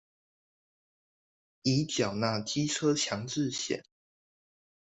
已繳納機車強制險